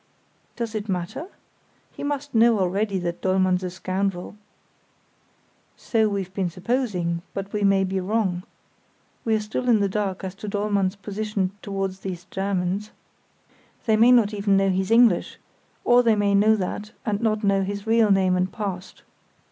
"Does it matter? He must know already that Dollmann's a scoundrel." "So we've been supposing; but we may be wrong. We're still in the dark as to Dollmann's position towards these Germans. They may not even know he's English, or they may know that and not know his real name and past.